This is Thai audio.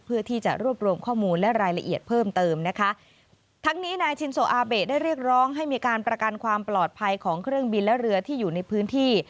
เพื่อที่จะรวบรวมข้อมูลและรายละเอียดเพิ่มเติมนะคะทั้งนี้นายชินโซอาเบะได้เรียกร้องให้มีการประกันความปลอดภัยของเครื่องบินและเรือที่อยู่ในพื้นที่